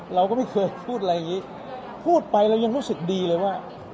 เราก็ไม่เคยพูดอะไรอย่างนี้พูดไปเรายังรู้สึกดีเลยว่า